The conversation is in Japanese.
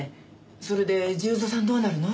それで重蔵さんどうなるの？